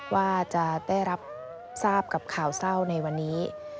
ว่าจะได้รับทราบกับข่าวเศร้าในวันนี้